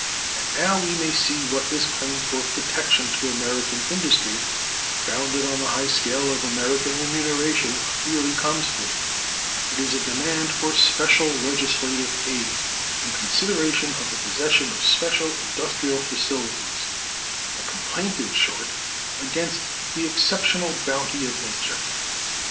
And now we may see what this claim for protection to American industry, founded on the high scale of American remuneration, really comes to: it is a demand for special legislative aid in consideration of the possession of special industrial facilities—a complaint, in short, against the exceptional bounty of nature.